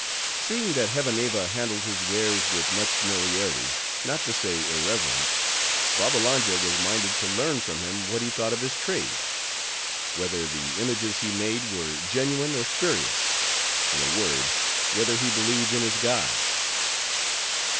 Seeing that Hevaneva handled his wares with much familiarity, not to say irreverence, Babbalanja was minded to learn from him, what he thought of his trade; whether the images he made were genuine or spurious; in a word, whether he believed in his gods.